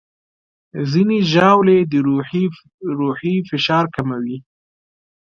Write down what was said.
ځینې ژاولې د روحي فشار کموي.